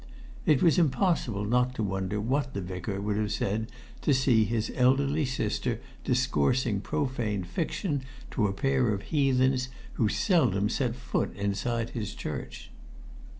It was impossible not to wonder what the Vicar would have said to see his elderly sister discoursing profane fiction to a pair of heathens who seldom set foot inside his church.